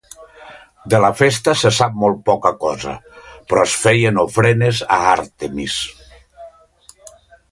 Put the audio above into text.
De la festa se sap molt poca cosa, però es feien ofrenes a Àrtemis.